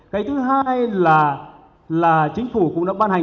cái thứ hai là chính phủ cũng đã ban hành